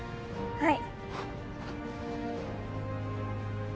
はい！